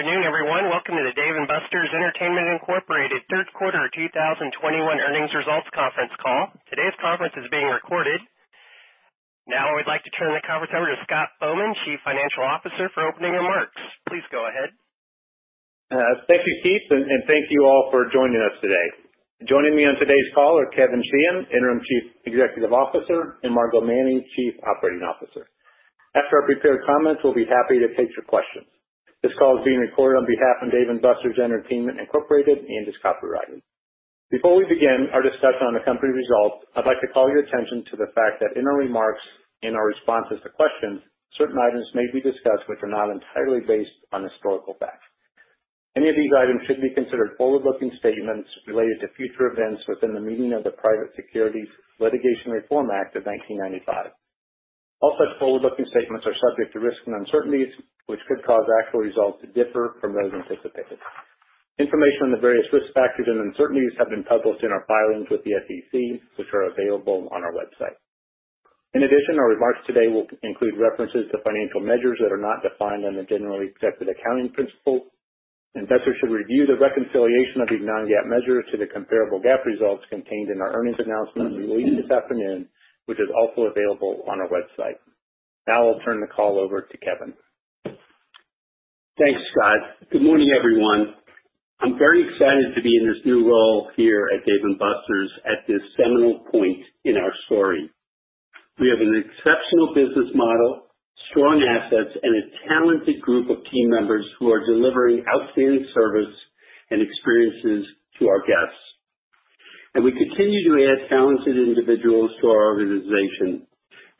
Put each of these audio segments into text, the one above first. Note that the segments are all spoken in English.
Good afternoon, everyone. Welcome to the Dave & Buster's Entertainment, Inc. Q3 2021 earnings results conference call. Today's conference is being recorded. Now, I would like to turn the conference over to Scott Bowman, Chief Financial Officer, for opening remarks. Please go ahead. Thank you, Steve, and thank you all for joining us today. Joining me on today's call are Kevin Sheehan, Interim Chief Executive Officer, and Margo Manning, Chief Operating Officer. After our prepared comments, we'll be happy to take your questions. This call is being recorded on behalf of Dave & Buster's Entertainment, Inc. and is copyrighted. Before we begin our discussion on the company results, I'd like to call your attention to the fact that in our remarks and our responses to questions, certain items may be discussed which are not entirely based on historical fact. Any of these items should be considered forward-looking statements related to future events within the meaning of the Private Securities Litigation Reform Act of 1995. All such forward-looking statements are subject to risks and uncertainties, which could cause actual results to differ from those anticipated. Information on the various risk factors and uncertainties has been published in our filings with the SEC, which are available on our website. In addition, our remarks today will include references to financial measures that are not defined under the generally accepted accounting principles. Investors should review the reconciliation of these non-GAAP measures to the comparable GAAP results contained in our earnings announcement released this afternoon, which is also available on our website. Now I'll turn the call over to Kevin. Thanks, Scott. Good morning, everyone. I'm very excited to be in this new role here at Dave & Buster's at this seminal point in our story. We have an exceptional business model, strong assets, and a talented group of team members who are delivering outstanding service and experiences to our guests. We continue to add talented individuals to our organization.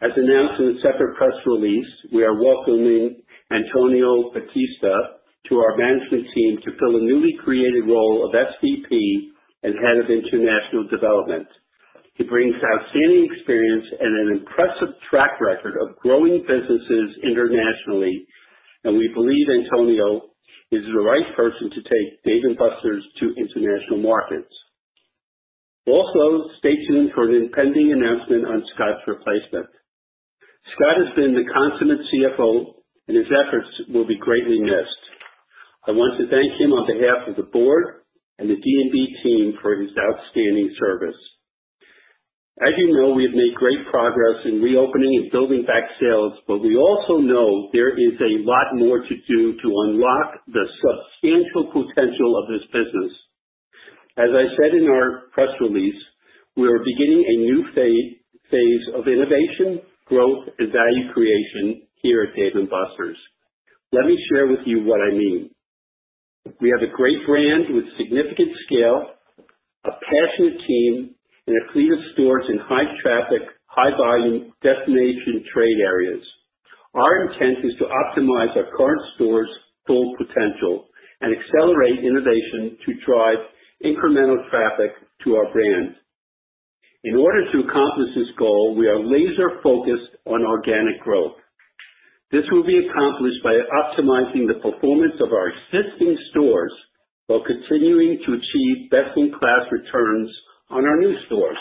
As announced in a separate press release, we are welcoming Antonio Bautista to our management team to fill a newly created role of SVP and Head of International Development. He brings outstanding experience and an impressive track record of growing businesses internationally, and we believe Antonio is the right person to take Dave & Buster's to international markets. Also, stay tuned for an impending announcement on Scott's replacement. Scott has been the consummate CFO, and his efforts will be greatly missed. I want to thank him on behalf of the board and the D&B team for his outstanding service. As you know, we have made great progress in reopening and building back sales, but we also know there is a lot more to do to unlock the substantial potential of this business. As I said in our press release, we are beginning a new phase of innovation, growth, and value creation here at Dave & Buster's. Let me share with you what I mean. We have a great brand with significant scale, a passionate team, and a fleet of stores in high traffic, high volume destination trade areas. Our intent is to optimize our current stores' full potential and accelerate innovation to drive incremental traffic to our brand. In order to accomplish this goal, we are laser focused on organic growth. This will be accomplished by optimizing the performance of our existing stores while continuing to achieve best-in-class returns on our new stores.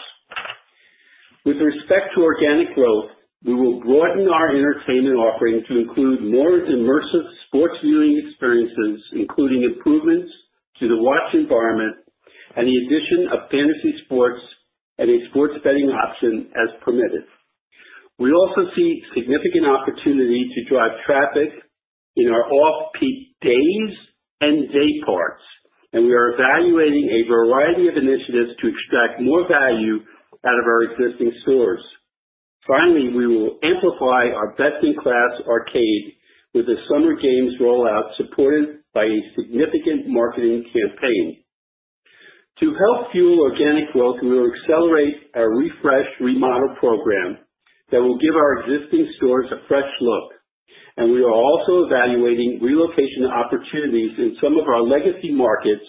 With respect to organic growth, we will broaden our entertainment offering to include more immersive sports viewing experiences, including improvements to the watch environment and the addition of fantasy sports and a sports betting option as permitted. We also see significant opportunity to drive traffic in our off-peak days and day parts, and we are evaluating a variety of initiatives to extract more value out of our existing stores. Finally, we will amplify our best-in-class arcade with the Summer Games rollout, supported by a significant marketing campaign. To help fuel organic growth, we will accelerate our refresh remodel program that will give our existing stores a fresh look. We are also evaluating relocation opportunities in some of our legacy markets,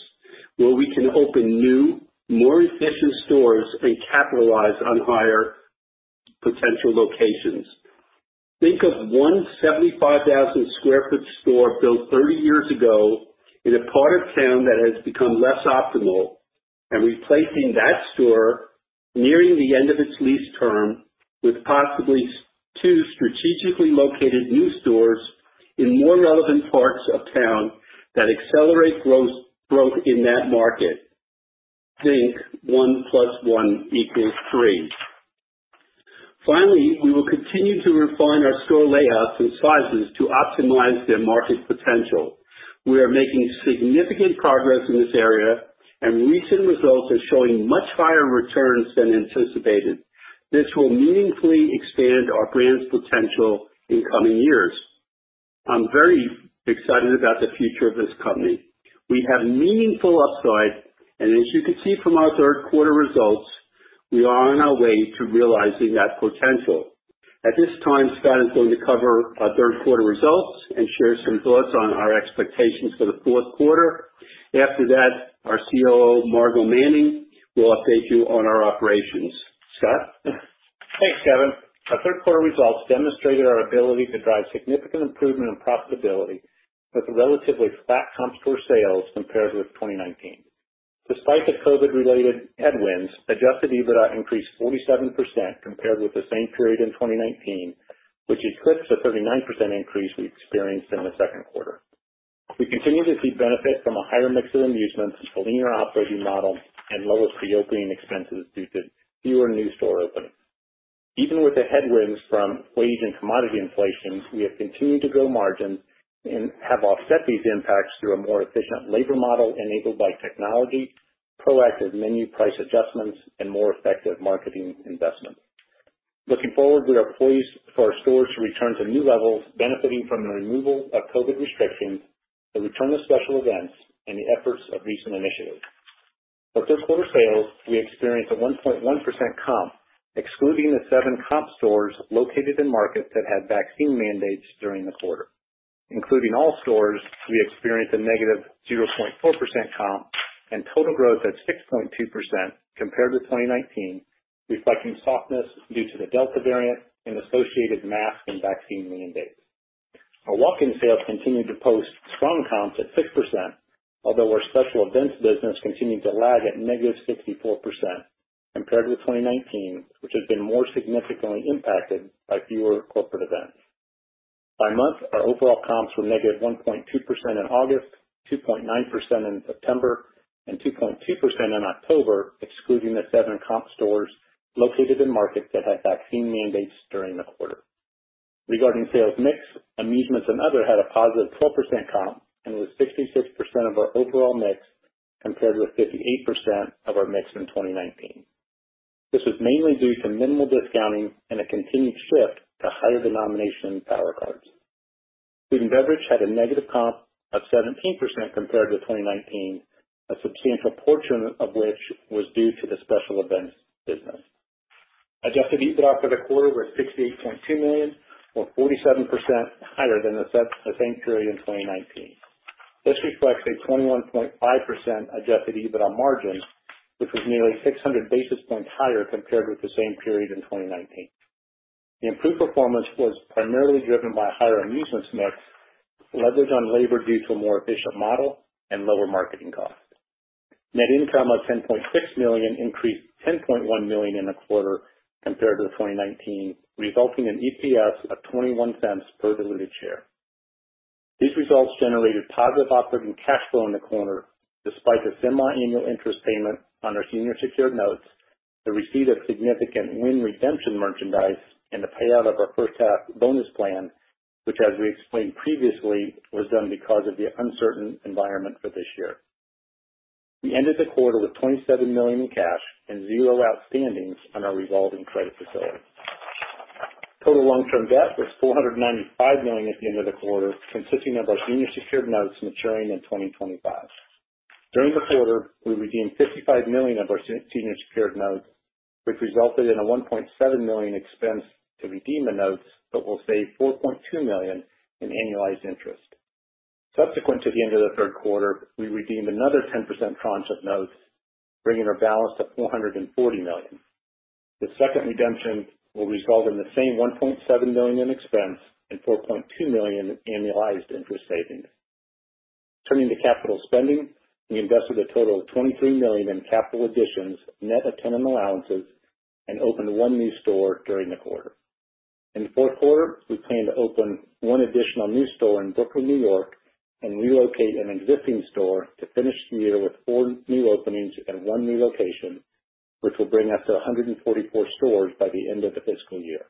where we can open new, more efficient stores and capitalize on higher potential locations. Think of a 175,000 sq ft store built 30 years ago in a part of town that has become less optimal and replacing that store nearing the end of its lease term with possibly two strategically located new stores in more relevant parts of town that accelerate gross growth in that market. Think one plus one equals three. Finally, we will continue to refine our store layouts and sizes to optimize their market potential. We are making significant progress in this area, and recent results are showing much higher returns than anticipated. This will meaningfully expand our brand's potential in coming years. I'm very excited about the future of this company. We have meaningful upside, and as you can see from our Q3 results, we are on our way to realizing that potential. At this time, Scott is going to cover our Q3 results and share some thoughts on our expectations for the Q4. After that, our COO, Margo Manning, will update you on our operations. Scott? Thanks, Kevin. Our Q3 results demonstrated our ability to drive significant improvement in profitability with relatively flat comparable store sales compared with 2019. Despite the COVID-related headwinds, Adjusted EBITDA increased 47% compared with the same period in 2019, which eclipsed the 39% increase we experienced in the Q2. We continue to see benefit from a higher mix of amusements, a linear operating model and lower reopening expenses due to fewer new store openings. Even with the headwinds from wage and commodity inflation, we have continued to grow margins and have offset these impacts through a more efficient labor model enabled by technology, proactive menu price adjustments and more effective marketing investments. Looking forward, we are pleased for our stores to return to new levels, benefiting from the removal of COVID restrictions, the return of special events and the efforts of recent initiatives. For Q3 sales, we experienced a 1.1% comp, excluding the 7 comp stores located in markets that had vaccine mandates during the quarter. Including all stores, we experienced a -0.4% comp and total growth at 6.2% compared to 2019, reflecting softness due to the Delta variant and associated mask and vaccine mandates. Our walk-in sales continued to post strong comps at 6%, although our special events business continued to lag at -64% compared with 2019, which has been more significantly impacted by fewer corporate events. By month, our overall comps were -1.2% in August, 2.9% in September, and 2.2% in October, excluding the 7 comp stores located in markets that had vaccine mandates during the quarter. Regarding sales mix, amusements and other had a positive 12% comp and was 66% of our overall mix compared with 58% of our mix in 2019. This was mainly due to minimal discounting and a continued shift to higher denomination Power Cards. Food and beverage had a negative comp of 17% compared to 2019, a substantial portion of which was due to the special events business. Adjusted EBITDA for the quarter were $68.2 million, or 47% higher than the same period in 2019. This reflects a 21.5% adjusted EBITDA margin, which was nearly 600 basis points higher compared with the same period in 2019. The improved performance was primarily driven by higher amusements mix, leverage on labor due to a more efficient model and lower marketing costs. Net income of $10.6 million increased $10.1 million in the quarter compared to 2019, resulting in EPS of $0.21 per diluted share. These results generated positive operating cash flow in the quarter, despite a semiannual interest payment on our senior secured notes, the receipt of significant win redemption merchandise and the payout of our first half bonus plan, which as we explained previously, was done because of the uncertain environment for this year. We ended the quarter with $27 million in cash and $0 outstandings on our revolving credit facility. Total long-term debt was $495 million at the end of the quarter, consisting of our senior secured notes maturing in 2025. During the quarter, we redeemed $55 million of our senior secured notes, which resulted in a $1.7 million expense to redeem the notes, but will save $4.2 million in annualized interest. Subsequent to the end of the Q3, we redeemed another 10% tranche of notes, bringing our balance to $440 million. The second redemption will result in the same $1.7 million in expense and $4.2 million annualized interest savings. Turning to capital spending. We invested a total of $23 million in capital additions, net of tenant allowances, and opened one new store during the quarter. In the Q4, we plan to open one additional new store in Brooklyn, New York, and relocate an existing store to finish the year with 4 new openings and one new location, which will bring us to 144 stores by the end of the fiscal year.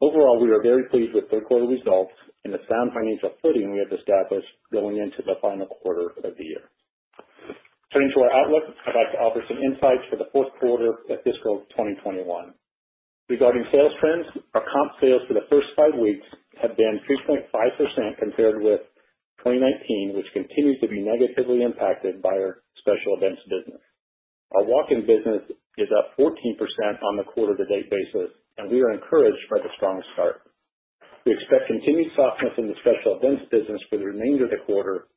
Overall, we are very pleased with Q3 results and the sound financial footing we have established going into the final quarter of the year. Turning to our outlook, I'd like to offer some insights for the Q4 of fiscal 2021. Regarding sales trends, our comp sales for the first 5 weeks have been 3.5% compared with 2019, which continues to be negatively impacted by our special events business. Our walk-in business is up 14% on the quarter-to-date basis, and we are encouraged by the strong start. We expect continued softness in the special events business for the remainder of the quarter,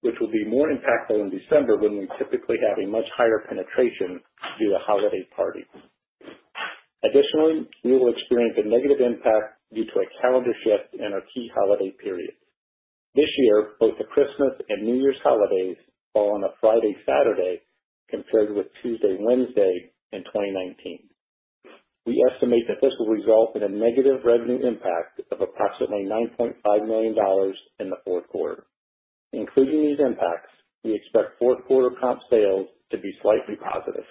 which will be more impactful in December when we typically have a much higher penetration due to holiday parties. Additionally, we will experience a negative impact due to a calendar shift in our key holiday period. This year, both the Christmas and New Year's holidays fall on a Friday, Saturday compared with Tuesday, Wednesday in 2019. We estimate that this will result in a negative revenue impact of approximately $9.5 million in the Q4. Including these impacts, we expect Q4 comp sales to be slightly positive.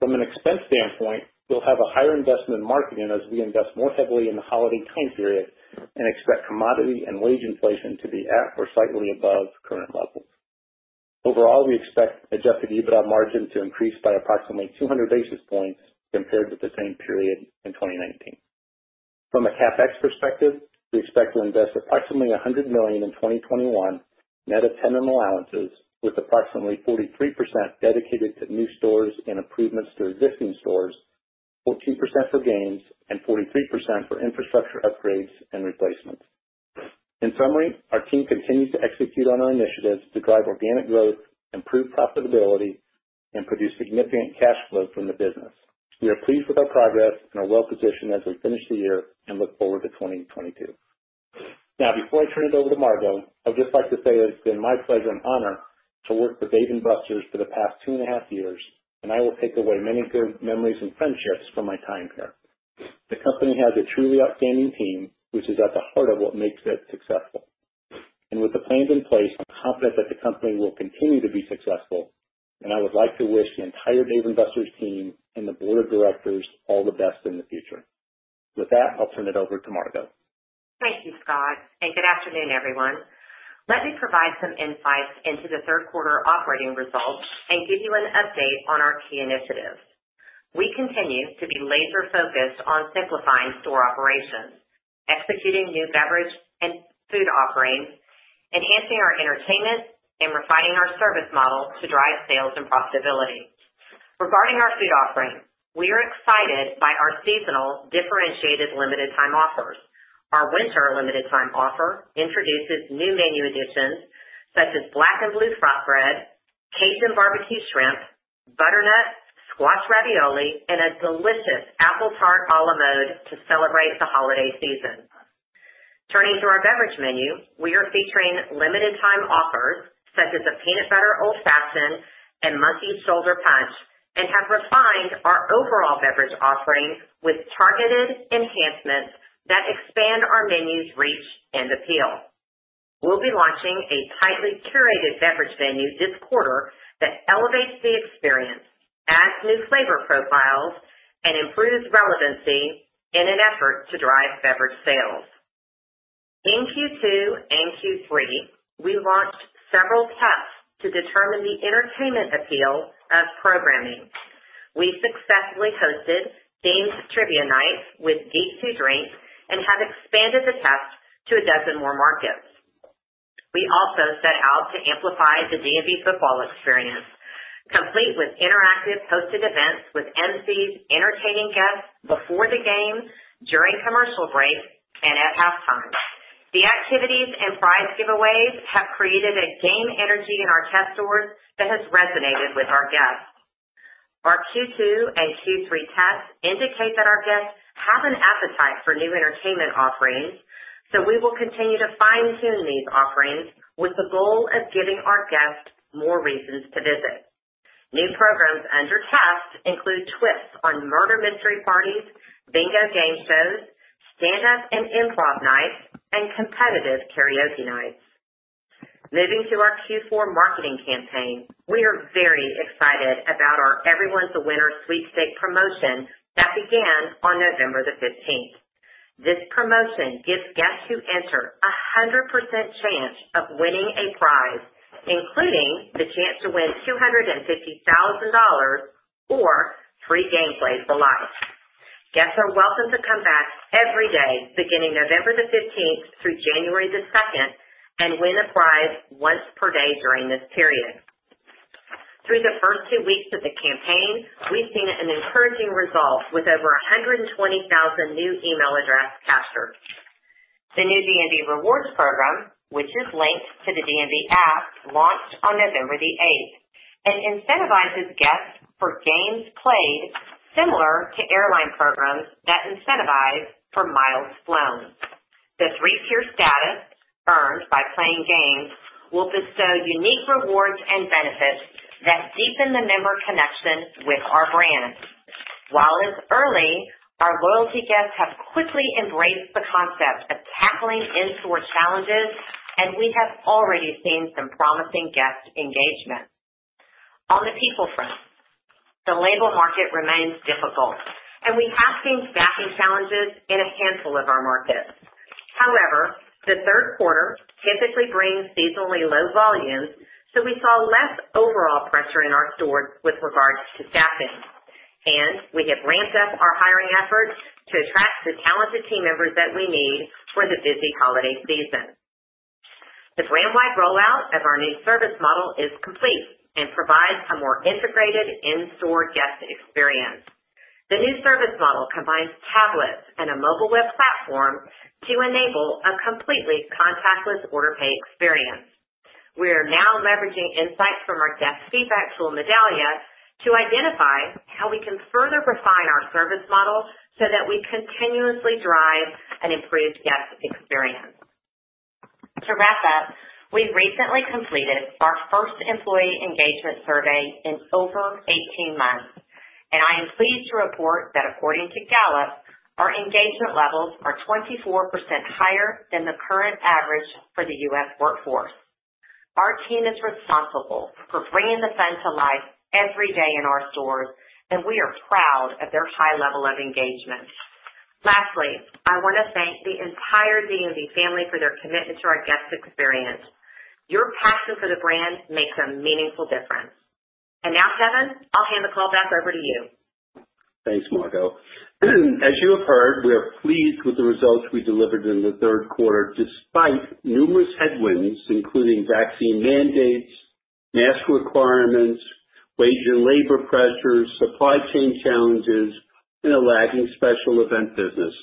From an expense standpoint, we'll have a higher investment in marketing as we invest more heavily in the holiday time period and expect commodity and wage inflation to be at or slightly above current levels. Overall, we expect Adjusted EBITDA margin to increase by approximately 200 basis points compared with the same period in 2019. From a CapEx perspective, we expect to invest approximately $100 million in 2021 net of tenant allowances, with approximately 43% dedicated to new stores and improvements to existing stores, 14% for G&A and 43% for infrastructure upgrades and replacements. In summary, our team continues to execute on our initiatives to drive organic growth, improve profitability and produce significant cash flow from the business. We are pleased with our progress and are well positioned as we finish the year and look forward to 2022. Now, before I turn it over to Margo, I'd just like to say that it's been my pleasure and honor to work with Dave & Buster's for the past two and a half years, and I will take away many good memories and friendships from my time here. The company has a truly outstanding team, which is at the heart of what makes it successful. With the plans in place, I'm confident that the company will continue to be successful, and I would like to wish the entire Dave & Buster's team and the board of directors all the best in the future. With that, I'll turn it over to Margo. Thank you, Scott, and good afternoon, everyone. Let me provide some insights into the Q3 operating results and give you an update on our key initiatives. We continue to be laser focused on simplifying store operations, executing new beverage and food offerings, enhancing our entertainment, and refining our service model to drive sales and profitability. Regarding our food offering, we are excited by our seasonal differentiated limited time offers. Our winter limited time offer introduces new menu additions such as Black & Bleu Flatbread, Cajun BBQ Shrimp, Butternut Squash Ravioli, and a delicious Apple Tart a la Mode to celebrate the holiday season. Turning to our beverage menu, we are featuring limited time offers such as a peanut butter old fashioned and Monkey Shoulder Punch, and have refined our overall beverage offering with targeted enhancements that expand our menu's reach and appeal. We'll be launching a tightly curated beverage menu this quarter that elevates the experience, adds new flavor profiles, and improves relevancy in an effort to drive beverage sales. In Q2 and Q3, we launched several tests to determine the entertainment appeal of programming. We successfully hosted themed trivia nights with Geeks Who Drink and have expanded the test to a dozen more markets. We also set out to amplify the D&B football experience, complete with interactive hosted events with MCs entertaining guests before the game, during commercial breaks, and at half-time. The activities and prize giveaways have created a game energy in our test stores that has resonated with our guests. Our Q2 and Q3 tests indicate that our guests have an appetite for new entertainment offerings, so we will continue to fine-tune these offerings with the goal of giving our guests more reasons to visit. New programs under test include twists on murder mystery parties, bingo game shows, stand up and improv nights, and competitive karaoke nights. Moving to our Q4 marketing campaign. We are very excited about our Everyone's A Winner sweepstakes promotion that began on November 15. This promotion gives guests who enter 100% chance of winning a prize, including the chance to win $250,000 or free game play for life. Guests are welcome to come back every day beginning November 15 through January 2, and win a prize once per day during this period. Through the first two weeks of the campaign, we've seen an encouraging result with over 120,000 new email address captured. The new D&B Rewards program, which is linked to the D&B app, launched on November 8, and incentivizes guests for games played similar to airline programs that incentivize for miles flown. The three-tier status earned by playing games will bestow unique rewards and benefits that deepen the member connection with our brand. While it's early, our loyalty guests have quickly embraced the concept of tackling in-store challenges, and we have already seen some promising guest engagement. On the people front, the labor market remains difficult, and we have seen staffing challenges in a handful of our markets. However, the Q3 typically brings seasonally low volumes, so we saw less overall pressure in our stores with regards to staffing. We have ramped up our hiring efforts to attract the talented team members that we need for the busy holiday season. The brand-wide rollout of our new service model is complete and provides a more integrated in-store guest experience. The new service model combines tablets and a mobile web platform to enable a completely contactless order-pay experience. We are now leveraging insights from our guest feedback tool, Medallia, to identify how we can further refine our service model so that we continuously drive an improved guest experience. To wrap up, we recently completed our first employee engagement survey in over 18 months, and I am pleased to report that according to Gallup, our engagement levels are 24% higher than the current average for the U.S. workforce. Our team is responsible for bringing the fun to life every day in our stores, and we are proud of their high level of engagement. Lastly, I want to thank the entire D&B family for their commitment to our guest experience. Your passion for the brand makes a meaningful difference. Now, Kevin, I'll hand the call back over to you. Thanks, Margo. As you have heard, we are pleased with the results we delivered in the Q3, despite numerous headwinds, including vaccine mandates, mask requirements, wage and labor pressures, supply chain challenges, and a lagging Special Events business.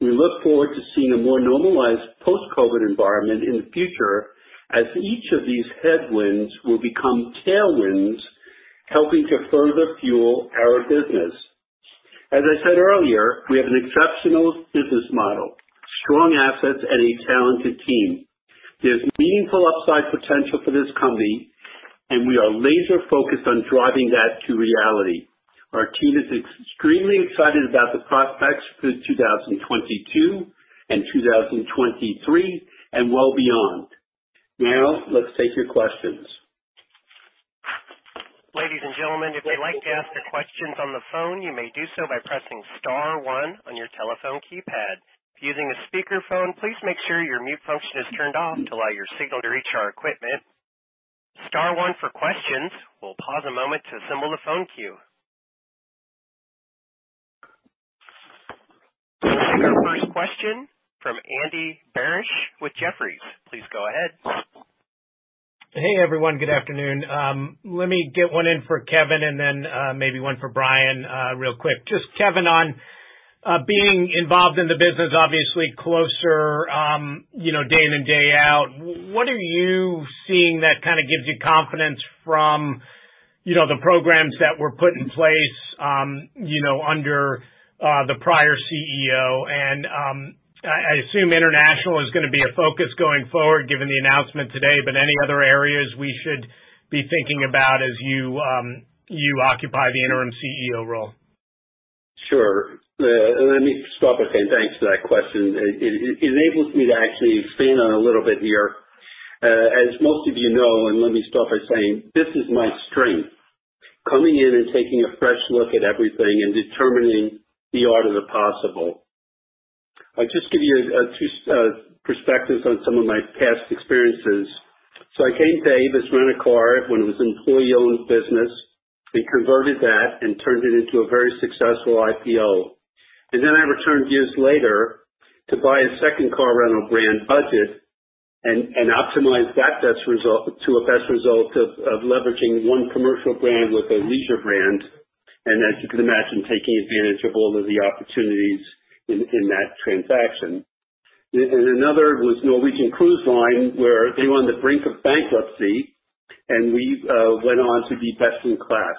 We look forward to seeing a more normalized post-COVID environment in the future as each of these headwinds will become tailwinds, helping to further fuel our business. As I said earlier, we have an exceptional business model, strong assets, and a talented team. There's meaningful upside potential for this company, and we are laser focused on driving that to reality. Our team is extremely excited about the prospects for 2022 and 2023 and well beyond. Now, let's take your questions. Ladies and gentlemen, if you'd like to ask your questions on the phone, you may do so by pressing star one on your telephone keypad. If using a speaker phone, please make sure your mute function is turned off to allow your signal to reach our equipment. Star one for questions. We'll pause a moment to assemble the phone queue. We'll take our first question from Andy Barish with Jefferies. Please go ahead. Hey, everyone. Good afternoon. Let me get one in for Kevin and then maybe one for Bowman real quick. Just Kevin on being involved in the business, obviously closer, you know, day in and day out. What are you seeing that kind of gives you confidence from, you know, the programs that were put in place, you know, under the prior CEO and I assume international is gonna be a focus going forward given the announcement today, but any other areas we should be thinking about as you occupy the interim CEO role? Sure. Let me start by saying thanks for that question. It enables me to actually expand on a little bit here. As most of you know, let me start by saying, this is my strength, coming in and taking a fresh look at everything and determining the art of the possible. I'll just give you two perspectives on some of my past experiences. I came to Avis Rent a Car when it was an employee-owned business and converted that and turned it into a very successful IPO. Then I returned years later to buy a second car rental brand, Budget, and optimized that best result to a best result of leveraging one commercial brand with a leisure brand, and as you can imagine, taking advantage of all of the opportunities in that transaction. Another was Norwegian Cruise Line, where they were on the brink of bankruptcy, and we went on to be best in class.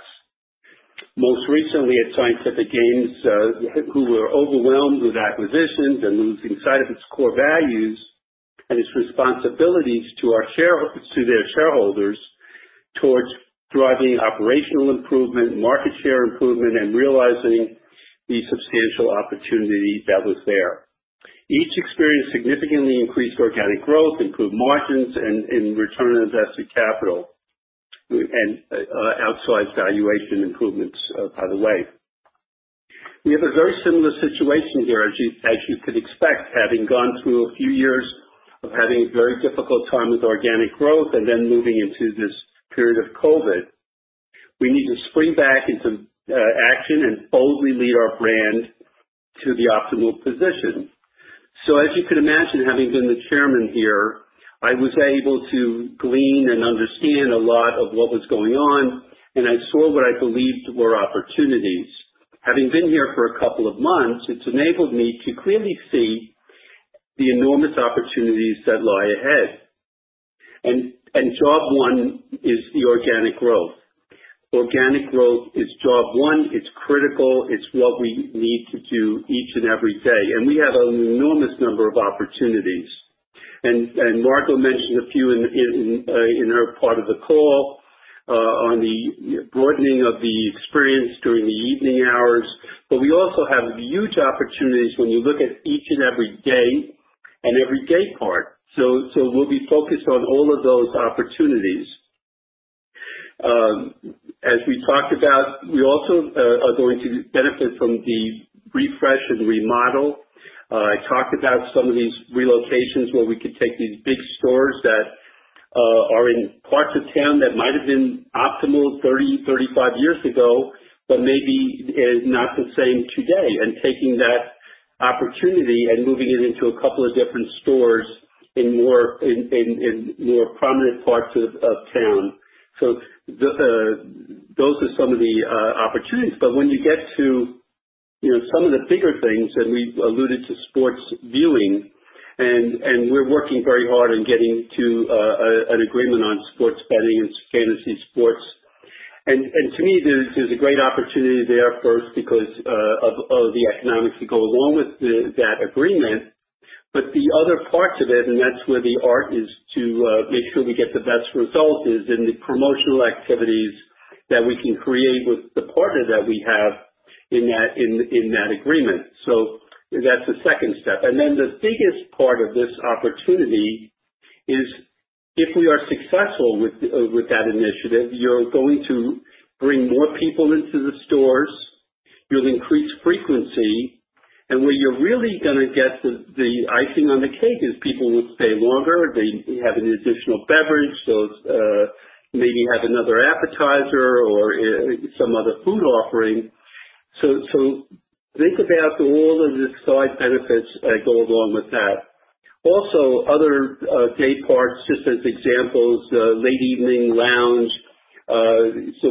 Most recently at Scientific Games, who were overwhelmed with acquisitions and losing sight of its core values and its responsibilities to their shareholders towards driving operational improvement, market share improvement, and realizing the substantial opportunity that was there. Each experienced significantly increased organic growth, improved margins and return on invested capital, and outsized valuation improvements, by the way. We have a very similar situation here, as you could expect, having gone through a few years of having a very difficult time with organic growth and then moving into this period of COVID. We need to spring back into action and boldly lead our brand to the optimal position. As you can imagine, having been the chairman here, I was able to glean and understand a lot of what was going on, and I saw what I believed were opportunities. Having been here for a couple of months, it's enabled me to clearly see the enormous opportunities that lie ahead. Job one is the organic growth. Organic growth is job one. It's critical. It's what we need to do each and every day. We have an enormous number of opportunities. Margo mentioned a few in her part of the call on the broadening of the experience during the evening hours. We also have huge opportunities when you look at each and every day and every day part. We'll be focused on all of those opportunities. As we talked about, we also are going to benefit from the refresh and remodel. I talked about some of these relocations where we could take these big stores that are in parts of town that might have been optimal 35 years ago, but maybe is not the same today. Taking that opportunity and moving it into a couple of different stores in more prominent parts of town. Those are some of the opportunities. When you get to, you know, some of the bigger things, and we've alluded to sports viewing, and we're working very hard on getting to an agreement on sports betting and fantasy sports. To me, there's a great opportunity there, first because of the economics that go along with that agreement. The other parts of it, and that's where the art is to make sure we get the best result, is in the promotional activities that we can create with the partner that we have in that agreement. That's the second step. Then the biggest part of this opportunity is if we are successful with that initiative, you're going to bring more people into the stores, you'll increase frequency, and where you're really gonna get the icing on the cake is people will stay longer. They have an additional beverage. Those maybe have another appetizer or some other food offering. Think about all of the side benefits that go along with that. Also other day parts, just as examples, late evening lounge.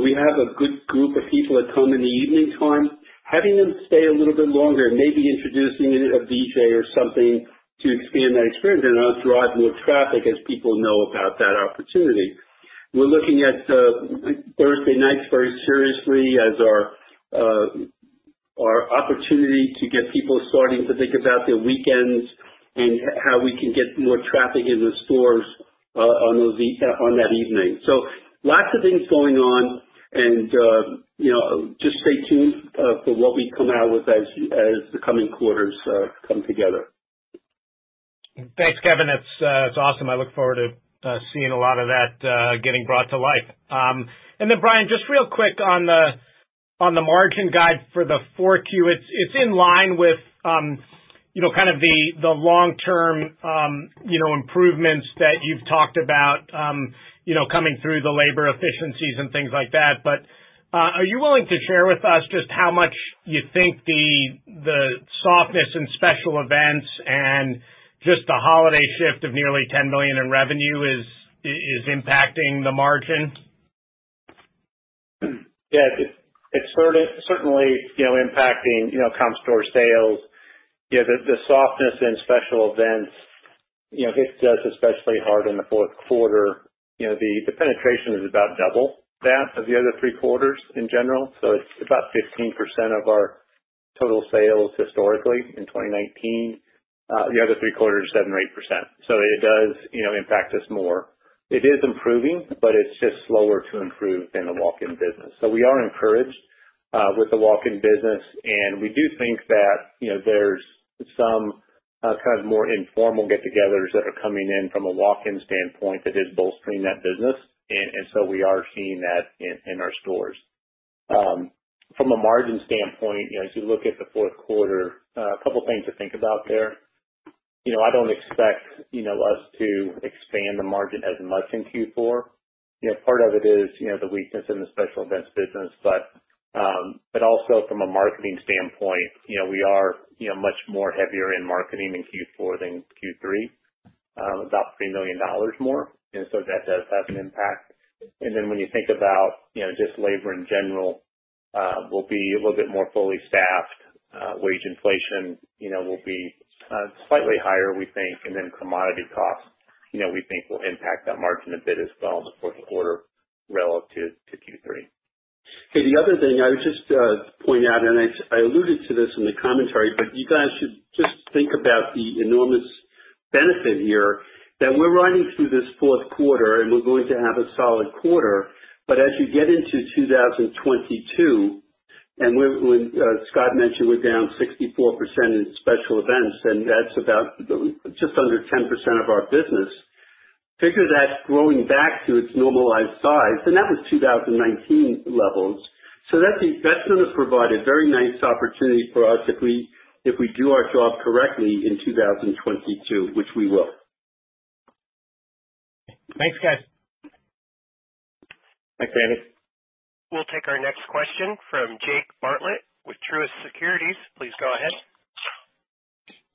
We have a good group of people that come in the evening time, having them stay a little bit longer, maybe introducing a DJ or something to expand that experience and help drive more traffic as people know about that opportunity. We're looking at Thursday nights very seriously as our opportunity to get people starting to think about their weekends and how we can get more traffic in the stores on that evening. Lots of things going on and, you know, just stay tuned for what we come out with as the coming quarters come together. Thanks, Kevin. That's awesome. I look forward to seeing a lot of that getting brought to life. Bowman, just real quick on the margin guide for Q4. It's in line with you know, kind of the long-term you know, improvements that you've talked about you know, coming through the labor efficiencies and things like that. Are you willing to share with us just how much you think the softness in Special Events and just the holiday shift of nearly $10 million in revenue is impacting the margin? Yeah. It's certainly, you know, impacting, you know, comparable store sales. Yeah, the softness and special events, you know, hits us especially hard in the Q4. You know, the penetration is about double that of the other three quarters in general, so it's about 15% of our total sales historically in 2019. The other three quarters, 7% or 8%. It does, you know, impact us more. It is improving, but it's just slower to improve than the walk-in business. We are encouraged with the walk-in business, and we do think that, you know, there's some kind of more informal get-togethers that are coming in from a walk-in standpoint that is bolstering that business. We are seeing that in our stores. From a margin standpoint, you know, as you look at the Q4, a couple things to think about there. You know, I don't expect, you know, us to expand the margin as much in Q4. You know, part of it is, you know, the weakness in the special events business but also from a marketing standpoint, you know, we are, you know, much more heavier in marketing in Q4 than Q3, about $3 million more. That does have an impact. When you think about, you know, just labor in general, we'll be a little bit more fully staffed. Wage inflation, you know, will be slightly higher, we think. Commodity costs, you know, we think will impact that margin a bit as well in the Q4 relative to Q3. Okay. The other thing I would just point out, and I alluded to this in the commentary, but you guys should just think about the enormous benefit here that we're running through this Q4, and we're going to have a solid quarter. As you get into 2022, and we're, Scott mentioned we're down 64% in special events, and that's about just under 10% of our business. Figure that growing back to its normalized size, and that was 2019 levels. That's gonna provide a very nice opportunity for us if we do our job correctly in 2022, which we will. Thanks, guys. Thanks, Andy. We'll take our next question from Jake Bartlett with Truist Securities. Please go ahead.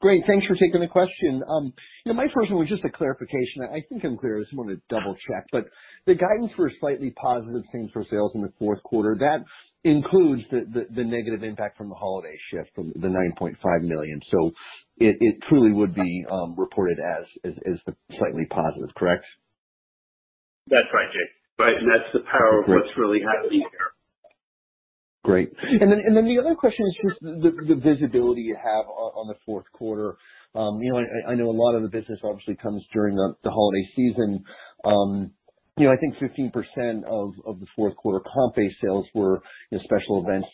Great. Thanks for taking the question. You know, my first one was just a clarification. I think I'm clear. I just wanted to double check. The guidance for a slightly positive same-store sales in the Q4, that includes the negative impact from the holiday shift, the $9.5 million. It truly would be reported as slightly positive, correct? That's right, Jake. That's the power of what's really happening here. Great. The other question is just the visibility you have on the Q4. You know, I know a lot of the business obviously comes during the holiday season. You know, I think 15% of the Q4 comp store sales were, you know, special events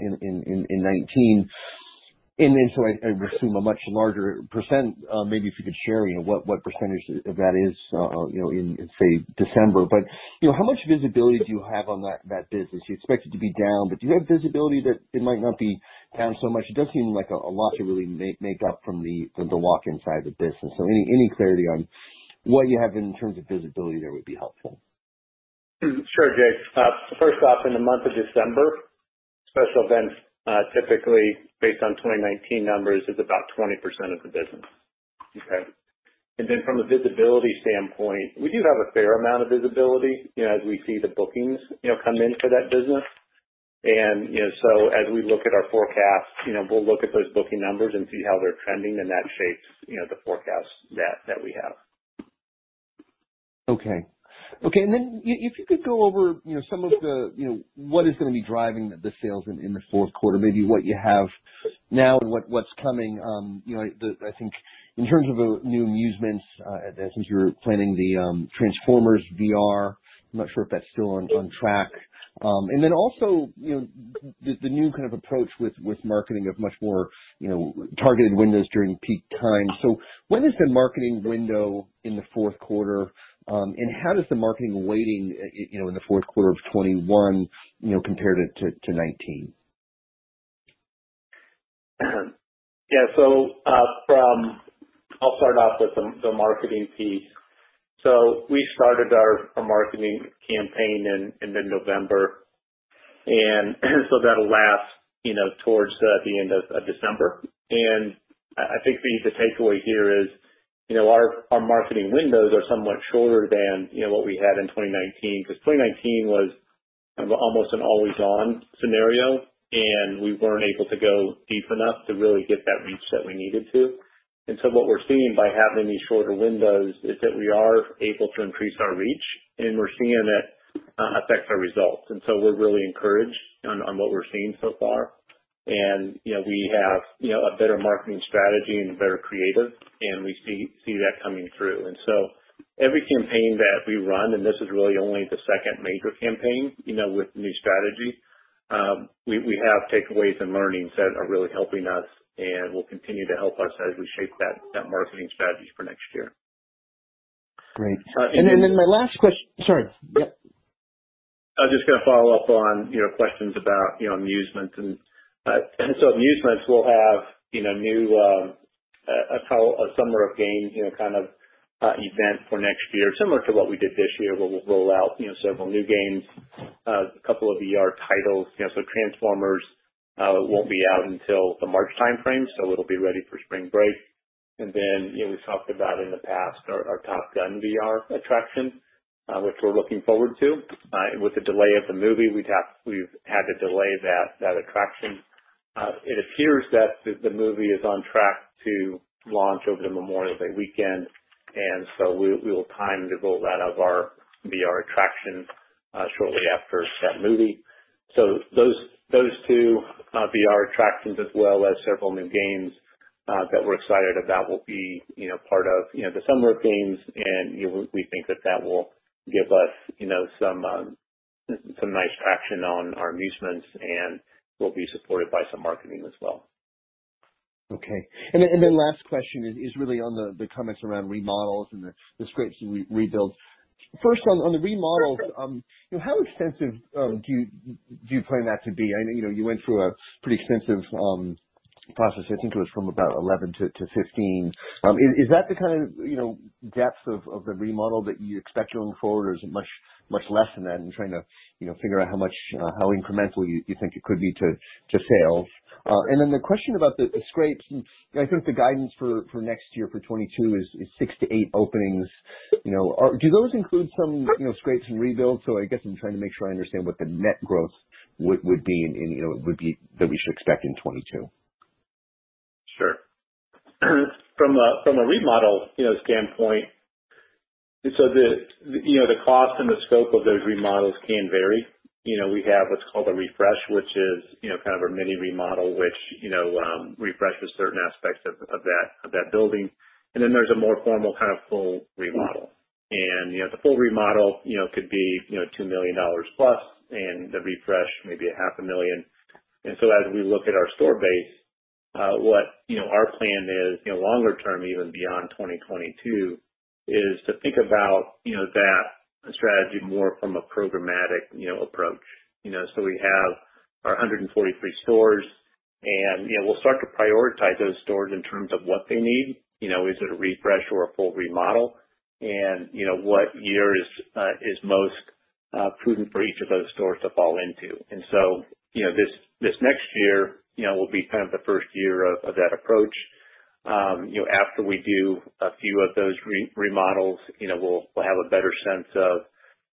in 2019. I assume a much larger percent. Maybe if you could share, you know, what percentage of that is, you know, in, say, December. You know, how much visibility do you have on that business? You expect it to be down, but do you have visibility that it might not be down so much? It does seem like a lot to really make up from the walk-in side of the business. Any clarity on what you have in terms of visibility there would be helpful. Sure, Jake. First off, in the month of December, special events, typically based on 2019 numbers, is about 20% of the business. Okay. From a visibility standpoint, we do have a fair amount of visibility, you know, as we see the bookings, you know, come in for that business. As we look at our forecast, you know, we'll look at those booking numbers and see how they're trending, and that shapes, you know, the forecast that we have. If you could go over, you know, some of what is gonna be driving the sales in the Q4, maybe what you have now, what's coming. You know, I think in terms of the new amusements, since you're planning the Transformers VR, I'm not sure if that's still on track. And then also, you know, the new kind of approach with marketing of much more, you know, targeted windows during peak times. When is the marketing window in the Q4? And how does the marketing weighting, you know, in the Q4 of 2021, you know, compare to 2019? I'll start off with the marketing piece. We started our marketing campaign in mid-November, and that'll last, you know, towards the end of December. I think the takeaway here is, you know, our marketing windows are somewhat shorter than what we had in 2019, because 2019 was almost an always on scenario, and we weren't able to go deep enough to really get that reach that we needed to. What we're seeing by having these shorter windows is that we are able to increase our reach and we're seeing that affect our results. We're really encouraged on what we're seeing so far. You know, we have a better marketing strategy and a better creative, and we see that coming through. Every campaign that we run, and this is really only the second major campaign, you know, with the new strategy, we have takeaways and learnings that are really helping us and will continue to help us as we shape that marketing strategy for next year. Great. Sorry. Yep. I was just gonna follow up on, you know, questions about, you know, amusements and so amusements will have, you know, new, a Summer of Games, you know, kind of event for next year, similar to what we did this year, where we'll roll out, you know, several new games, a couple of VR titles. You know, so Transformers won't be out until the March timeframe, so it'll be ready for spring break. Then, you know, we've talked about in the past our Top Gun: Maverick attraction, which we're looking forward to. With the delay of the movie we've had to delay that attraction. It appears that the movie is on track to launch over the Memorial Day weekend, and so we will time the roll out of our VR attraction shortly after that movie. Those two VR attractions as well as several new games that we're excited about will be, you know, part of, you know, the Summer of Games. We think that will give us, you know, some nice traction on our amusements and will be supported by some marketing as well. Okay. Last question is really on the comments around remodels and the scrapes and rebuilds. First on the remodels, you know, how extensive do you plan that to be? I know you know, you went through a pretty extensive process. I think it was from about 11 to 15. Is that the kind of depth of the remodel that you expect going forward, or is it much less than that in trying to figure out how much how incremental you think it could be to sales? And then the question about the scrapes. I think the guidance for next year, for 2022 is 6 to 8 openings. You know, do those include some scrapes and rebuilds? I guess I'm trying to make sure I understand what the net growth would be and, you know, that we should expect in 2022. Sure. From a remodel standpoint, you know, the cost and the scope of those remodels can vary. You know, we have what's called a refresh, which is, you know, kind of our mini remodel, which refreshes certain aspects of that building. Then there's a more formal kind of full remodel. You know, the full remodel could be $2 million plus, and the refresh may be half a million. As we look at our store base, you know, our plan is, you know, longer term, even beyond 2022, to think about that strategy more from a programmatic approach. You know, we have our 143 stores and, you know, we'll start to prioritize those stores in terms of what they need. You know, is it a refresh or a full remodel? You know, what year is most prudent for each of those stores to fall into. You know, this next year, you know, will be kind of the first year of that approach. You know, after we do a few of those remodels, you know, we'll have a better sense of,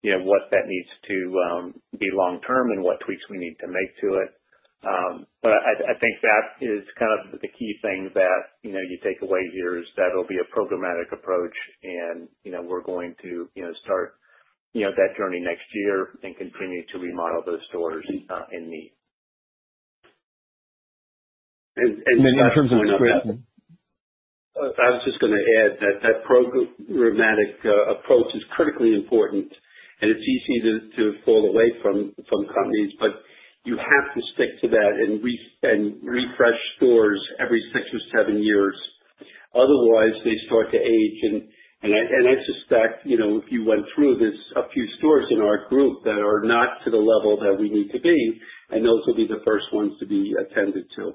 you know, what that needs to be long term and what tweaks we need to make to it. I think that is kind of the key thing that, you know, you take away here is that it'll be a programmatic approach and, you know, we're going to, you know, start, you know, that journey next year and continue to remodel those stores in need. I was just gonna add that programmatic approach is critically important and it's easy to fall away from companies, but you have to stick to that and refresh stores every six or seven years. Otherwise they start to age and I suspect, you know, if you went through this, a few stores in our group that are not to the level that we need to be, and those will be the first ones to be attended to.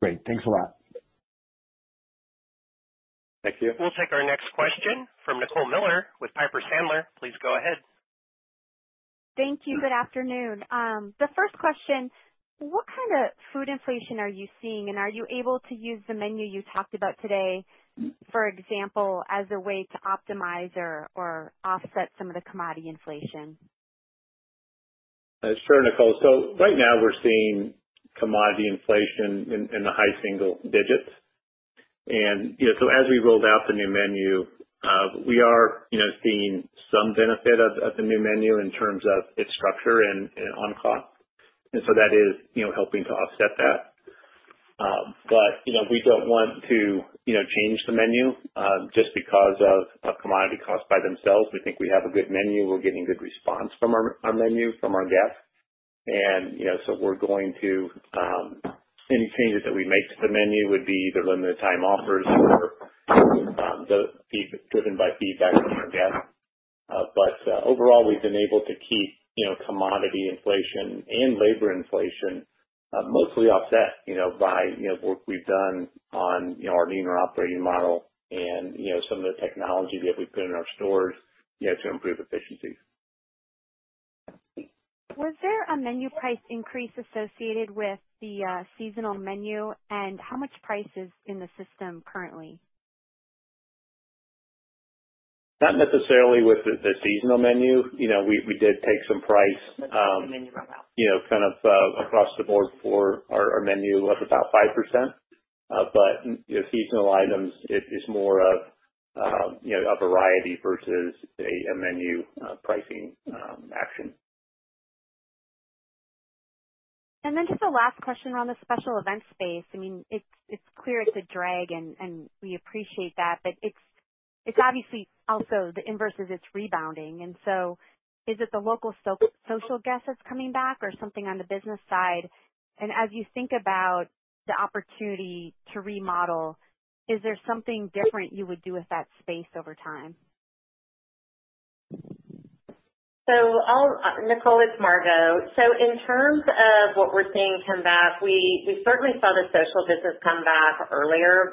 Great. Thanks a lot. Thank you. We'll take our next question from Nicole Miller with Piper Sandler. Please go ahead. Thank you. Good afternoon. The first question, what kind of food inflation are you seeing, and are you able to use the menu you talked about today, for example, as a way to optimize or offset some of the commodity inflation? That's true, Nicole. Right now we're seeing commodity inflation in the high single digits. You know, as we rolled out the new menu, we are seeing some benefit of the new menu in terms of its structure and on cost. That is, you know, helping to offset that. You know, we don't want to, you know, change the menu just because of commodity costs by themselves. We think we have a good menu. We're getting good response from our menu from our guests. You know, any changes that we make to the menu would be either limited time offers or driven by feedback from our guests. Overall we've been able to keep, you know, commodity inflation and labor inflation mostly offset, you know, by, you know, work we've done on, you know, our leaner operating model and, you know, some of the technology that we put in our stores, you know, to improve efficiencies. Was there a menu price increase associated with the seasonal menu? How much price is in the system currently? Not necessarily with the seasonal menu. You know, we did take some pricing, you know, kind of, across the board for our menu of about 5%. You know, seasonal items, it is more of, you know, a variety versus a menu pricing action. Just a last question around the special event space. I mean, it's clear it's a drag and we appreciate that, but it's obviously also the inverse is it's rebounding. Is it the local social guest that's coming back or something on the business side? As you think about the opportunity to remodel, is there something different you would do with that space over time? Nicole, it's Margo. In terms of what we're seeing come back, we certainly saw the social business come back earlier.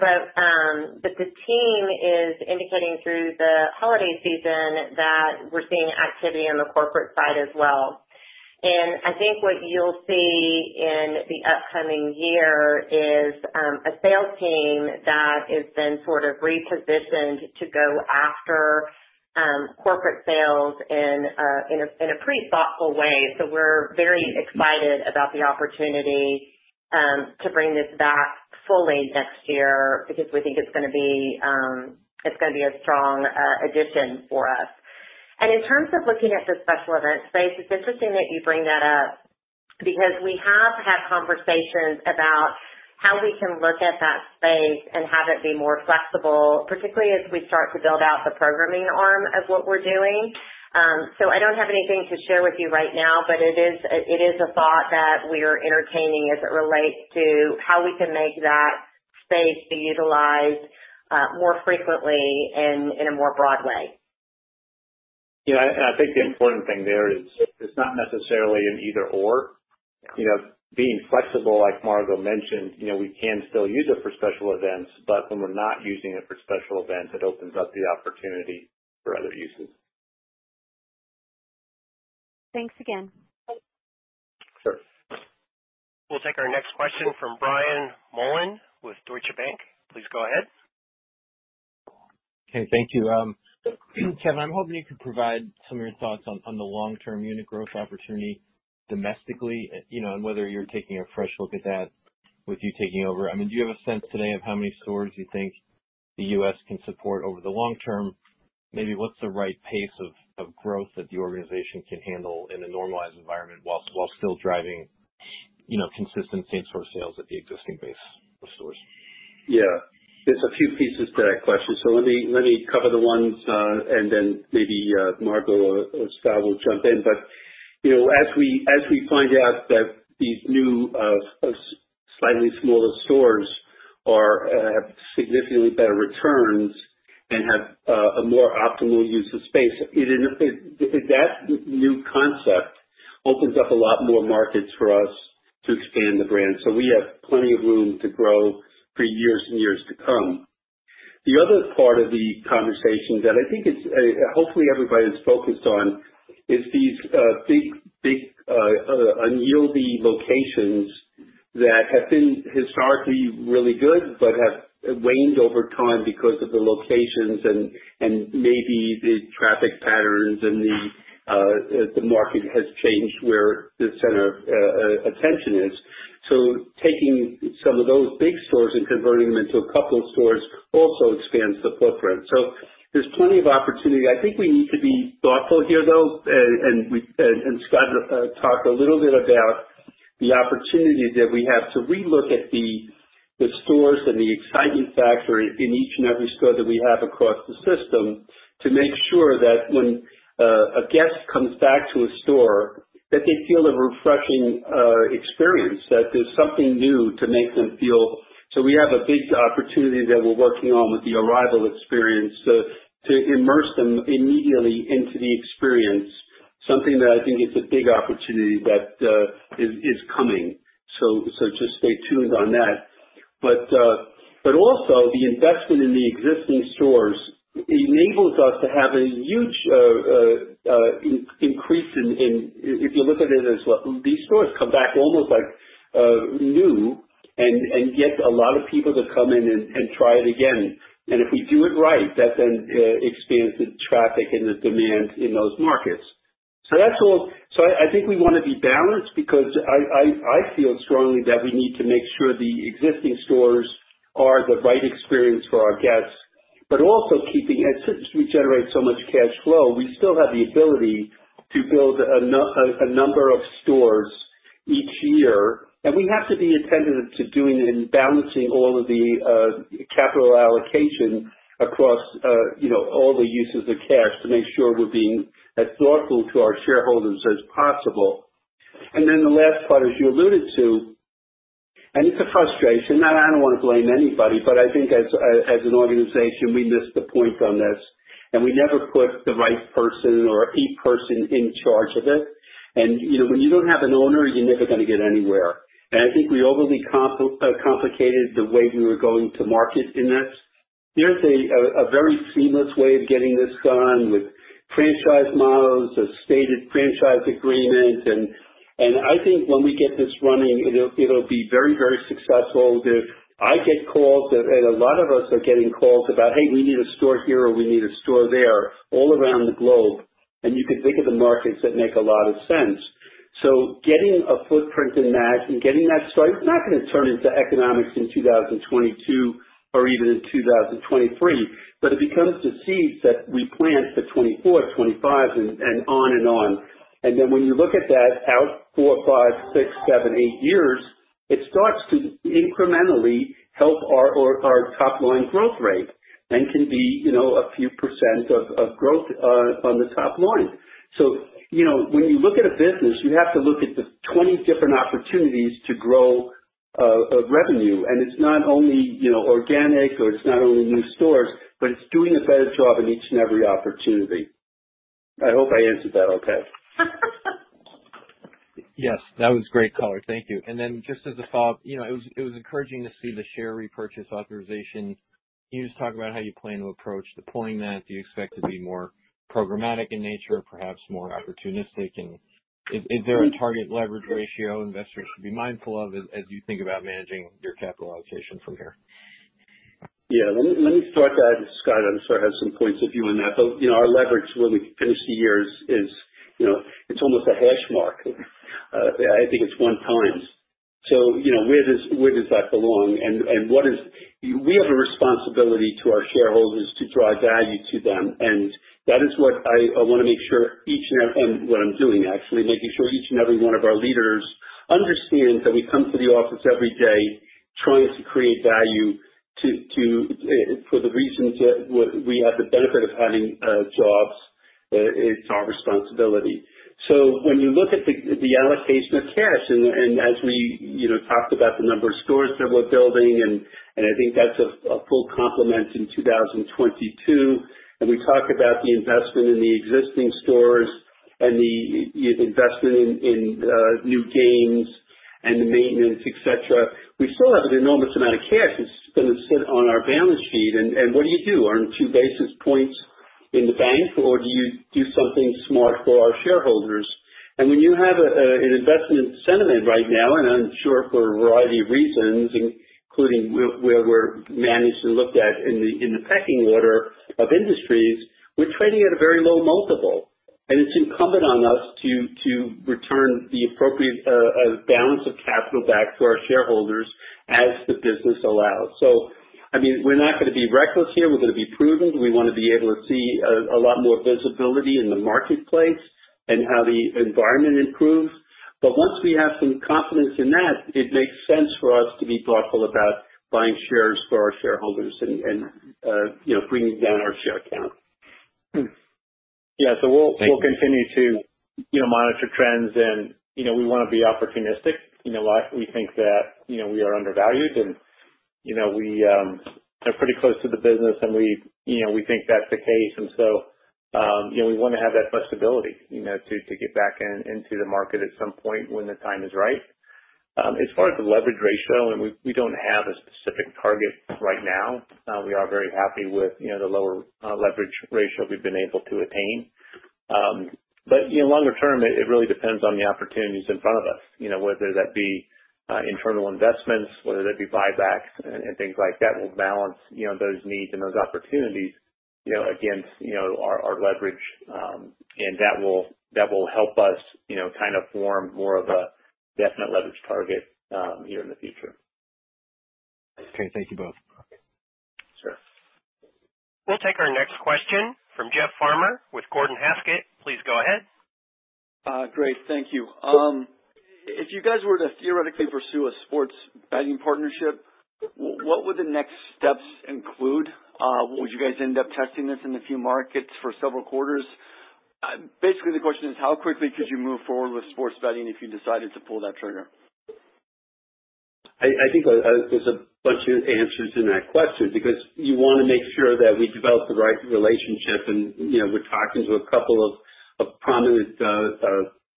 The team is indicating through the holiday season that we're seeing activity on the corporate side as well. I think what you'll see in the upcoming year is a sales team that has been sort of repositioned to go after corporate sales in a pretty thoughtful way. We're very excited about the opportunity to bring this back fully next year because we think it's gonna be a strong addition for us. In terms of looking at the special event space, it's interesting that you bring that up because we have had conversations about how we can look at that space and have it be more flexible, particularly as we start to build out the programming arm of what we're doing. So I don't have anything to share with you right now, but it is a thought that we're entertaining as it relates to how we can make that space be utilized more frequently and in a more broad way. You know, and I think the important thing there is it's not necessarily an either/or. You know, being flexible, like Margo mentioned, you know, we can still use it for special events, but when we're not using it for special events, it opens up the opportunity for other uses. Thanks again. Sure. We'll take our next question from Brian Mullan with Deutsche Bank. Please go ahead. Okay, thank you. Kevin, I'm hoping you could provide some of your thoughts on the long-term unit growth opportunity domestically, you know, and whether you're taking a fresh look at that with you taking over. I mean, do you have a sense today of how many stores you think the U.S. can support over the long term? Maybe what's the right pace of growth that the organization can handle in a normalized environment while still driving, you know, consistent same-store sales at the existing base of stores? Yeah, there's a few pieces to that question. Let me cover the ones, and then maybe Margo or Scott will jump in. You know, as we find out that these new slightly smaller stores have significantly better returns and have a more optimal use of space, that new concept opens up a lot more markets for us to expand the brand. We have plenty of room to grow for years and years to come. The other part of the conversation that I think is hopefully everybody's focused on is these big unyielding locations that have been historically really good but have waned over time because of the locations and maybe the traffic patterns and the market has changed where the center of attention is. Taking some of those big stores and converting them into a couple stores also expands the footprint. There's plenty of opportunity. I think we need to be thoughtful here, though, and Scott talked a little bit about the opportunity that we have to relook at the stores and the excitement factor in each and every store that we have across the system to make sure that when a guest comes back to a store, that they feel a refreshing experience, that there's something new to make them feel. We have a big opportunity that we're working on with the arrival experience to immerse them immediately into the experience. Something that I think is a big opportunity that is coming. Just stay tuned on that. also the investment in the existing stores enables us to have a huge increase. If you look at it as these stores come back almost like new and get a lot of people to come in and try it again. If we do it right, that then expands the traffic and the demand in those markets. That's all. I think we wanna be balanced because I feel strongly that we need to make sure the existing stores are the right experience for our guests, but also keeping, and since we generate so much cash flow, we still have the ability to build a number of stores each year. We have to be attentive to doing it and balancing all of the capital allocation across, you know, all the uses of cash to make sure we're being as thoughtful to our shareholders as possible. Then the last part, as you alluded to, and it's a frustration. Now, I don't want to blame anybody, but I think as an organization, we missed the point on this, and we never put the right person or a key person in charge of it. You know, when you don't have an owner, you're never gonna get anywhere. I think we overly complicated the way we were going to market in this. There's a very seamless way of getting this done with franchise models, a standard franchise agreement. I think when we get this running, it'll be very, very successful. I get calls, and a lot of us are getting calls about, "Hey, we need a store here or we need a store there," all around the globe. You can think of the markets that make a lot of sense. Getting a footprint in that and getting that started, it's not gonna turn into economics in 2022 or even in 2023, but it becomes the seeds that we plant for 2024, 2025 and on and on. Then when you look at that out 4, 5, 6, 7, 8 years, it starts to incrementally help our top line growth rate and can be, you know, a few % of growth on the top line. You know, when you look at a business, you have to look at the 20 different opportunities to grow revenue. It's not only, you know, organic or it's not only new stores, but it's doing a better job in each and every opportunity. I hope I answered that okay. Yes, that was great color. Thank you. Just as a thought, you know, it was encouraging to see the share repurchase authorization. Can you just talk about how you plan to approach deploying that? Do you expect to be more programmatic in nature, perhaps more opportunistic? Is there a target leverage ratio investors should be mindful of as you think about managing your capital allocation from here? Let me start that, Scott. I'm sure I have some points of view on that. You know, our leverage when we finish the year is almost a hash mark. I think it's one times. You know, where does that belong? What is our responsibility to our shareholders to drive value to them, and that is what I wanna make sure each and every one of our leaders understands that we come to the office every day trying to create value to for the reasons that we have the benefit of having jobs. It's our responsibility. When you look at the allocation of cash and as we, you know, talked about the number of stores that we're building, and I think that's a full complement in 2022, and we talk about the investment in the existing stores and the investment in new games and the maintenance, et cetera. We still have an enormous amount of cash that's gonna sit on our balance sheet. What do you do? Earn two basis points in the bank, or do you do something smart for our shareholders? When you have an investment sentiment right now, and I'm sure for a variety of reasons, including where we're managed and looked at in the pecking order of industries, we're trading at a very low multiple, and it's incumbent on us to return the appropriate balance of capital back to our shareholders as the business allows. I mean, we're not gonna be reckless here. We're gonna be prudent. We wanna be able to see a lot more visibility in the marketplace and how the environment improves. Once we have some confidence in that, it makes sense for us to be thoughtful about buying shares for our shareholders and you know, bringing down our share count. We'll continue to, you know, monitor trends and, you know, we wanna be opportunistic. You know, we think that, you know, we are undervalued and, you know, we are pretty close to the business and we, you know, we think that's the case. You know, we wanna have that flexibility, you know, to get back into the market at some point when the time is right. As far as the leverage ratio, we don't have a specific target right now. We are very happy with, you know, the lower leverage ratio we've been able to attain. You know, longer term, it really depends on the opportunities in front of us. You know, whether that be internal investments, whether that be buybacks and things like that, we'll balance, you know, those needs and those opportunities, you know, against, you know, our leverage. That will help us, you know, kind of form more of a definite leverage target here in the future. Okay. Thank you both. Sure. We'll take our next question from Jeff Farmer with Gordon Haskett. Please go ahead. Great. Thank you. If you guys were to theoretically pursue a sports betting partnership, what would the next steps include? Would you guys end up testing this in a few markets for several quarters? Basically the question is how quickly could you move forward with sports betting if you decided to pull that trigger? I think there's a bunch of answers in that question because you wanna make sure that we develop the right relationship. You know, we're talking to a couple of prominent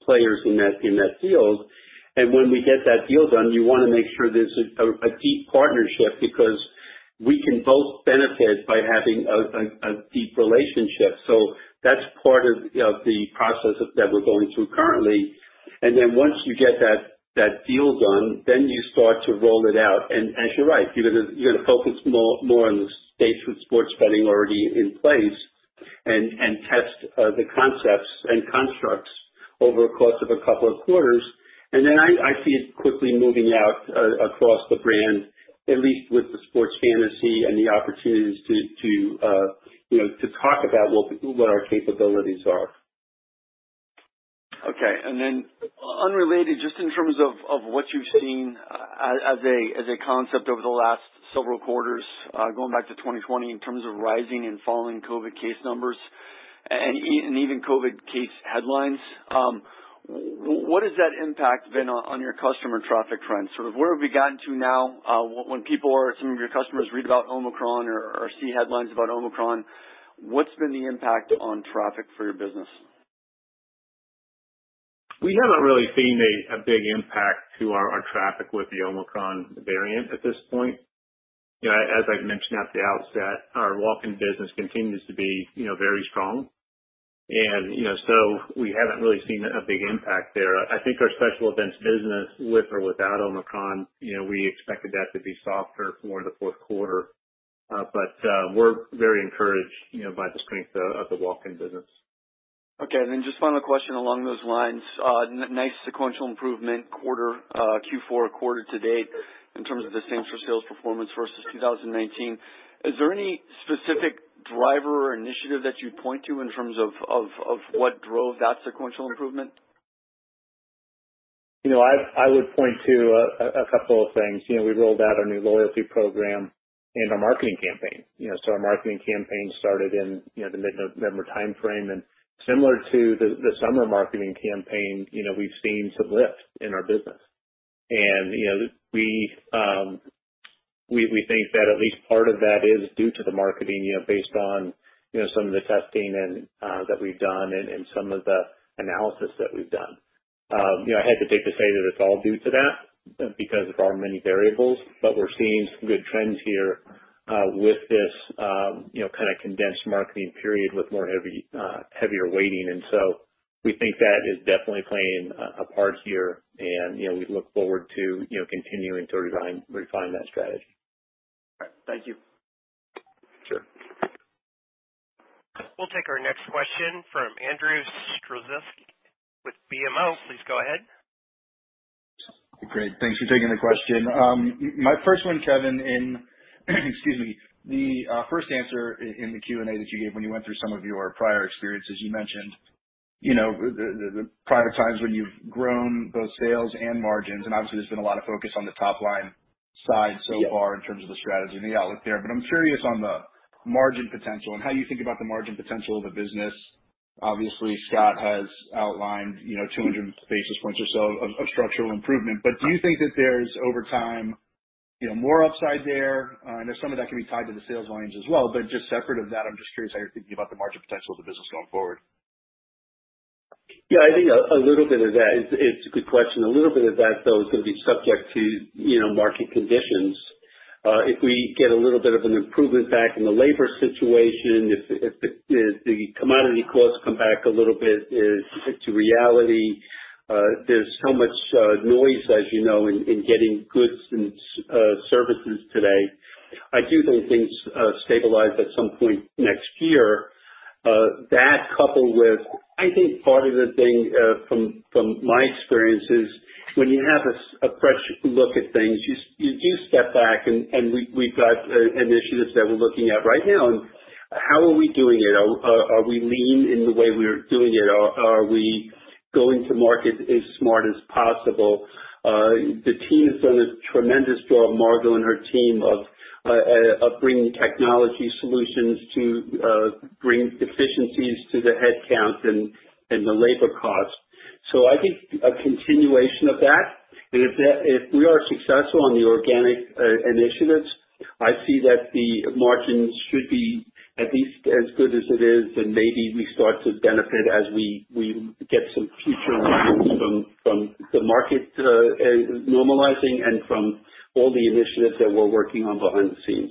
players in that field. When we get that deal done, you wanna make sure there's a deep partnership because we can both benefit by having a deep relationship. That's part of the process that we're going through currently. Then once you get that deal done, you start to roll it out. You're right. You're gonna focus more on the states with sports betting already in place and test the concepts and constructs over a course of a couple of quarters. I see it quickly moving out across the brand, at least with the sports fantasy and the opportunities to you know to talk about what our capabilities are. Okay. Unrelated, just in terms of what you've seen as a concept over the last several quarters, going back to 2020 in terms of rising and falling COVID case numbers and even COVID case headlines, what has that impact been on your customer traffic trends? Sort of where have we gotten to now, when people or some of your customers read about Omicron or see headlines about Omicron, what's been the impact on traffic for your business? We haven't really seen a big impact to our traffic with the Omicron variant at this point. You know, as I mentioned at the outset, our walk-in business continues to be you know, very strong. You know, we haven't really seen a big impact there. I think our special events business with or without Omicron, you know, we expected that to be softer for the Q4. We're very encouraged, you know, by the strength of the walk-in business. Okay. Then just final question along those lines. Nice sequential improvement quarter, Q4 quarter to date in terms of the same-store sales performance versus 2019. Is there any specific driver or initiative that you'd point to in terms of what drove that sequential improvement? You know, I would point to a couple of things. You know, we rolled out our new loyalty program and our marketing campaign. You know, our marketing campaign started in, you know, the mid-November timeframe. Similar to the summer marketing campaign, you know, we've seen some lift in our business. You know, we think that at least part of that is due to the marketing, you know, based on, you know, some of the testing and that we've done and some of the analysis that we've done. You know, I hesitate to say that it's all due to that because there are many variables, but we're seeing some good trends here, with this, you know, kind of condensed marketing period with more heavy, heavier weighting. We think that is definitely playing a part here and, you know, we look forward to, you know, continuing to refine that strategy. All right. Thank you. Sure. We'll take our next question from Andrew Strelzik with BMO. Please go ahead. Great. Thanks for taking the question. My first one, Kevin. Excuse me. The first answer in the Q&A that you gave when you went through some of your prior experiences, you mentioned, you know, the prior times when you've grown both sales and margins, and obviously there's been a lot of focus on the top line side so far. In terms of the strategy and the outlook there. I'm curious on the margin potential and how you think about the margin potential of the business. Obviously, Scott has outlined, you know, 200 basis points or so of structural improvement. Do you think that there's over time, you know, more upside there? I know some of that can be tied to the sales lines as well, but just separate of that, I'm just curious how you're thinking about the margin potential of the business going forward. Yeah. I think a little bit of that. It's a good question. A little bit of that, though, is gonna be subject to, you know, market conditions. If we get a little bit of an improvement back in the labor situation, if the commodity costs come back a little bit to reality, there's so much noise, as you know, in getting goods and services today. I do think things stabilize at some point next year. That coupled with, I think part of the thing from my experience is when you have a fresh look at things, you do step back and we've got initiatives that we're looking at right now. How are we doing it? Are we lean in the way we're doing it? Are we going to market as smart as possible? The team has done a tremendous job, Margo and her team, of bringing technology solutions to bring efficiencies to the headcount and the labor costs. I think a continuation of that. If we are successful on the organic initiatives, I see that the margins should be at least as good as it is, and maybe we start to benefit as we get some future wins from the market normalizing and from all the initiatives that we're working on behind the scenes.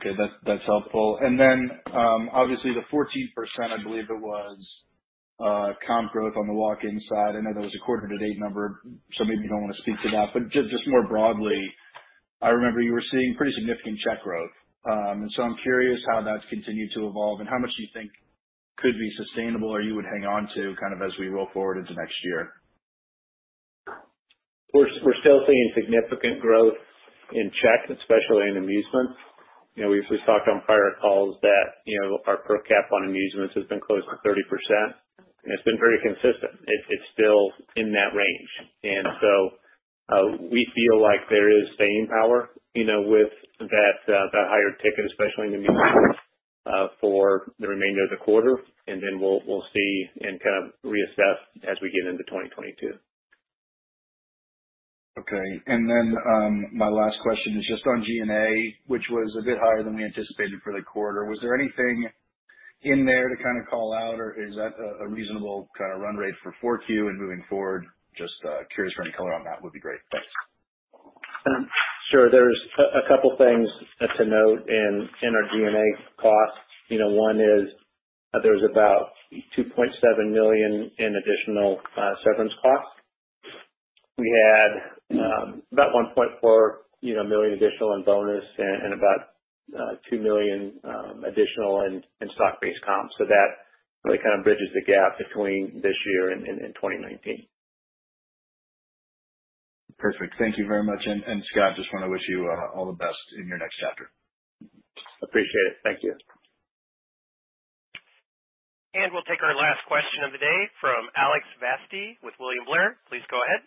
Okay. That's helpful. Then obviously the 14%, I believe it was, comp growth on the walk-in side. I know there was a quarter to date number, so maybe you don't wanna speak to that. Just more broadly, I remember you were seeing pretty significant check growth. I'm curious how that's continued to evolve and how much do you think could be sustainable or you would hang on to kind of as we roll forward into next year? We're still seeing significant growth in check, especially in amusement. You know, we've talked on prior calls that, you know, our per cap on amusements has been close to 30%, and it's been very consistent. It's still in that range. We feel like there is staying power, you know, with that higher ticket, especially in amusement, for the remainder of the quarter. We'll see and kind of reassess as we get into 2022. Okay. Then, my last question is just on G&A, which was a bit higher than we anticipated for the quarter. Was there anything in there to kind of call out, or is that a reasonable kind of run rate for Q4 and moving forward? Just curious for any color on that would be great. Thanks. Sure. There's a couple things to note in our G&A costs. You know, one is there's about $2.7 million in additional severance costs. We had about $1.4 million, you know, additional in bonus and about $2 million additional in stock-based comp. That really kind of bridges the gap between this year and 2019. Perfect. Thank you very much. Scott, just wanna wish you all the best in your next chapter. Appreciate it. Thank you. We'll take our last question of the day from Alex Vaste with William Blair. Please go ahead.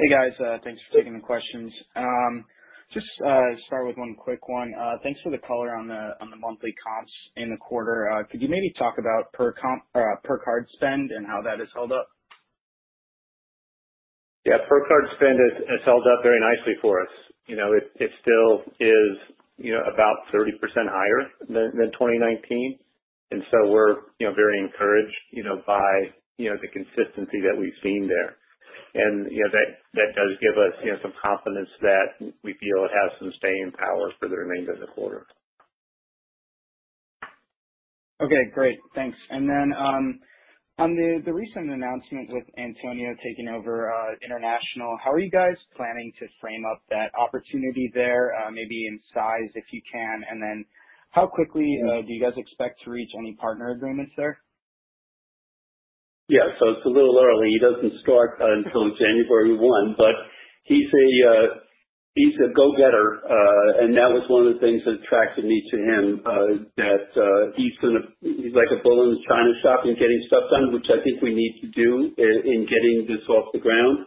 Hey, guys. Thanks for taking the questions. Just start with one quick one. Thanks for the color on the monthly comps in the quarter. Could you maybe talk about per card spend and how that has held up? Yeah. Per-card spend has held up very nicely for us. You know, it still is, you know, about 30% higher than 2019. We're, you know, very encouraged, you know, by, you know, the consistency that we've seen there. You know, that does give us, you know, some confidence that we feel it has some staying power for the remainder of the quarter. Okay, great. Thanks. Then, on the recent announcement with Antonio taking over international, how are you guys planning to frame up that opportunity there, maybe in size, if you can? Then how quickly do you guys expect to reach any partner agreements there? Yeah. It's a little early. He doesn't start until January 1, but he's a go-getter. And that was one of the things that attracted me to him, that he's like a bull in a china shop in getting stuff done, which I think we need to do in getting this off the ground.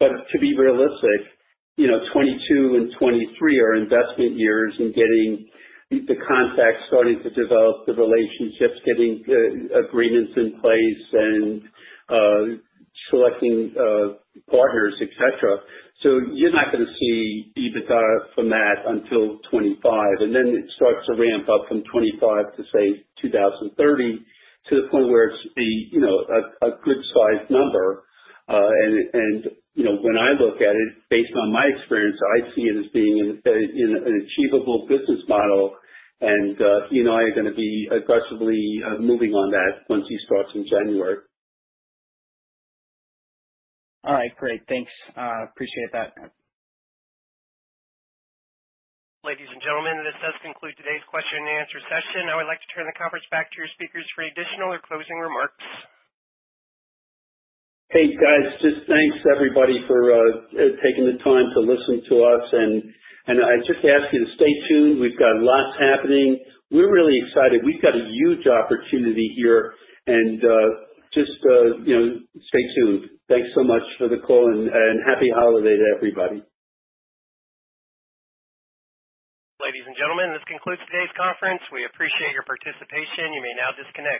To be realistic, you know, 2022 and 2023 are investment years in getting the contracts, starting to develop the relationships, getting the agreements in place and selecting partners, et cetera. You're not gonna see EBITDA from that until 2025, and then it starts to ramp up from 2025 to say 2030 to the point where it's, you know, a good size number. You know, when I look at it, based on my experience, I see it as being an achievable business model. He and I are gonna be aggressively moving on that once he starts in January. All right, great. Thanks. Appreciate that. Ladies and gentlemen, this does conclude today's question and answer session. I would like to turn the conference back to your speakers for any additional or closing remarks. Hey, guys, just thanks everybody for taking the time to listen to us. I just ask you to stay tuned. We've got lots happening. We're really excited. We've got a huge opportunity here. Just you know, stay tuned. Thanks so much for the call, and Happy Holiday to everybody. Ladies and gentlemen, this concludes today's conference. We appreciate your participation. You may now disconnect.